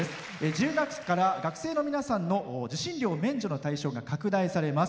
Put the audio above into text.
１０月から学生の皆さんの受信料免除の対象が拡大されます。